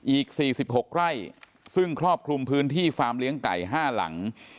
อีก๔๖ไร่ซึ่งครอบคลุมพื้นที่ฟาร์มเลี้ยงไก่๕หลัง